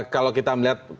kalau kita melihat